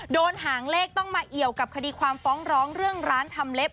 หางเลขต้องมาเอี่ยวกับคดีความฟ้องร้องเรื่องร้านทำเล็บ